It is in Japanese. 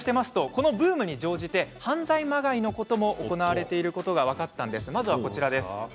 このブームに乗じて犯罪まがいのことも行われていることが分かったんです。